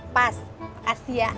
pas kasih ya